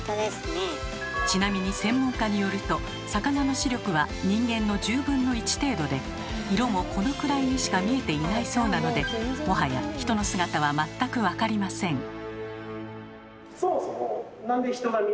ちなみに専門家によると魚の視力は人間の１０分の１程度で色もこのくらいにしか見えていないそうなのでもはや人の姿は全く分かりません。